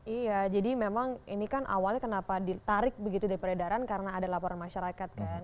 iya jadi memang ini kan awalnya kenapa ditarik begitu dari peredaran karena ada laporan masyarakat kan